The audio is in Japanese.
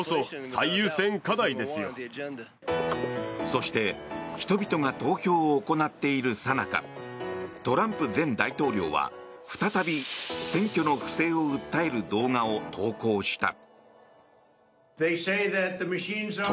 そして人々が投票を行っているさなかトランプ前大統領は再び選挙の不正を訴える動画を公開した。